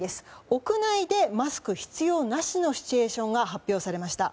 屋内で、マスク必要なしのシチュエーションが発表されました。